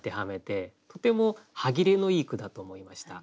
とても歯切れのいい句だと思いました。